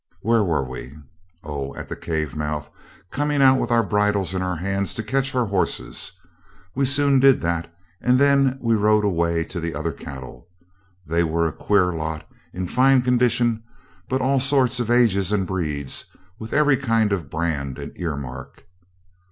Where were we? Oh, at the cave mouth, coming out with our bridles in our hands to catch our horses. We soon did that, and then we rode away to the other cattle. They were a queer lot, in fine condition, but all sorts of ages and breeds, with every kind of brand and ear mark.